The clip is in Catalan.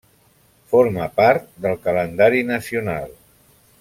Forma part del calendari nacional.